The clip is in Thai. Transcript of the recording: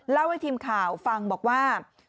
เล่าให้ทีมข่าวฟังบอกว่า